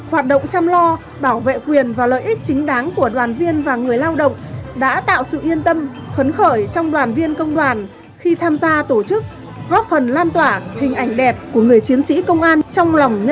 hoạt động chăm lo bảo vệ quyền và lợi ích chính đáng của đoàn viên và người lao động đã tạo sự yên tâm phấn khởi trong đoàn viên công đoàn khi tham gia tổ chức góp phần lan tỏa hình ảnh đẹp của người chiến sĩ công an trong lòng nhân dân